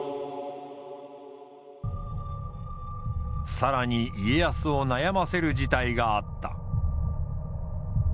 更に家康を悩ませる事態があった。